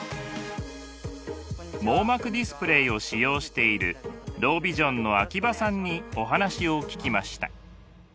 網膜ディスプレイを使用しているロービジョンの秋葉さんにお話を聞きました。